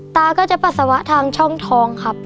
ตาก็จะปัสสาวะทางช่องทองครับ